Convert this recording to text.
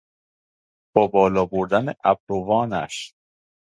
با بالا بردن ابروانش